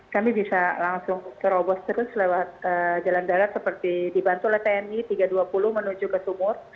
kami bisa langsung terobos terus lewat jalan darat seperti dibantu oleh tni tiga ratus dua puluh menuju ke sumur